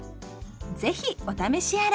是非お試しあれ！